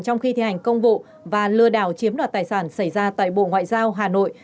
trong khi thi hành công vụ và lừa đảo chiếm đoạt tài sản xảy ra tại bộ ngoại giao hà nội